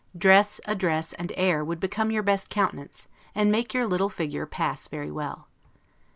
Dress, address, and air, would become your best countenance, and make your little figure pass very well.